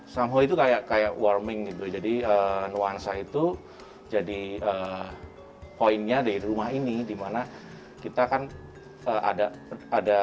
someho itu kayak kayak warming gitu jadi nuansa itu jadi poinnya di rumah ini dimana kita kan ada ada